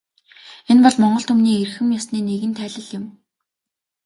Энэ бол монгол түмний эрхэм ёсны нэгэн тайлал юм.